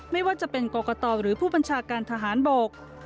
ไม่ว่าจะเป็นกรกตหรือผู้บัญชาการทหารบก